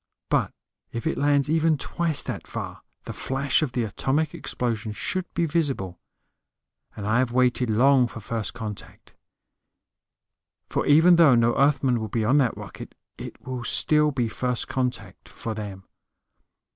But if it lands even twice that far the flash of the atomic explosion should be visible. And I have waited long for first contact. For even though no Earthman will be on that rocket, it will still be first contact for them.